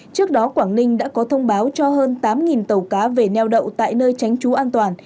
trước đó quảng ninh đã có thông báo cho hơn tám tàu cá về neo đậu tại nơi tránh trú an toàn